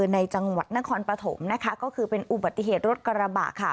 ในจังหวัดนครปฐมนะคะก็คือเป็นอุบัติเหตุรถกระบะค่ะ